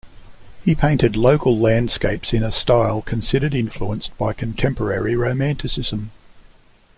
He painted local landscapes in a style considered influenced by contemporary Romanticism.